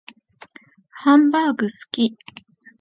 ハンバーグ好き